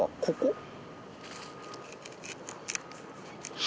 ここ。